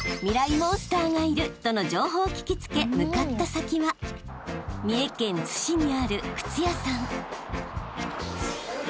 モンスターがいるとの情報を聞き付け向かった先は三重県津市にある靴屋さん］